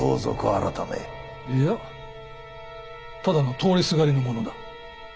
いやただの通りすがりの者だ。